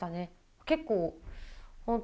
結構本当